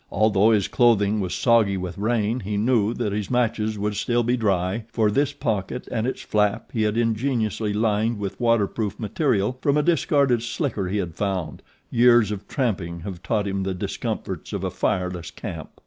Although his clothing was soggy with rain he knew that his matches would still be dry, for this pocket and its flap he had ingeniously lined with waterproof material from a discarded slicker he had found years of tramping having taught him the discomforts of a fireless camp.